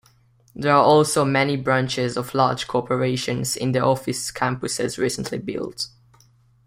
There are also many branches of large corporations in the office campuses recently built.